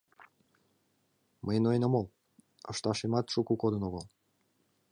— Мый ноен омыл, ышташемат шуко кодын огыл.